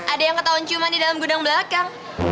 ada yang ketauan ciuman di dalam gunung belakang